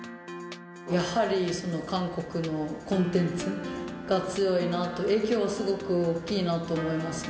やはり韓国のコンテンツが強いなと、影響がすごく大きいなと思いますね。